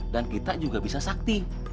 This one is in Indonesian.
dan kita juga bisa sakti